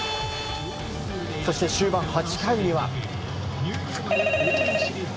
そして終盤８回には。